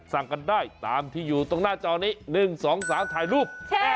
สั่งกันได้ตามที่อยู่ตรงหน้าจอนี้๑๒๓ถ่ายรูป